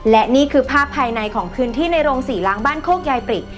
และนี่คือภาพภายในของพื้นที่ในโรงศรีล้างบ้านโคกยายปริก